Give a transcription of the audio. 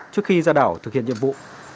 trước khi ra đảo thực hiện nhiệm vụ